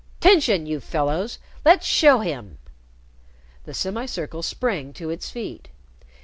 'Tention, you fellows! Let's show him." The semicircle sprang to its feet.